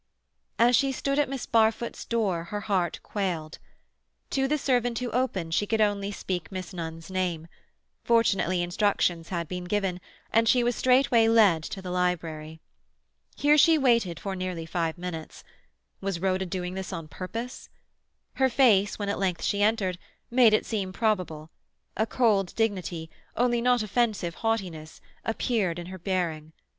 As she stood at Miss Barfoot's door her heart quailed. To the servant who opened she could only speak Miss Nunn's name; fortunately instructions had been given, and she was straightway led to the library. Here she waited for nearly five minutes. Was Rhoda doing this on purpose? Her face, when at length she entered, made it seem probable; a cold dignity, only not offensive haughtiness, appeared in her bearing.